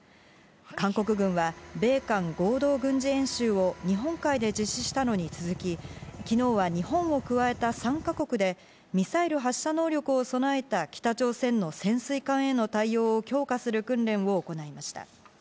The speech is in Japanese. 韓国軍は米韓合同軍事演習を日本海で実施したのに続き、昨日は日本を加えた３ヶ国で、ミサイル発射能力を備えた北朝鮮の潜水艦への対応を強化する訓練を行いました。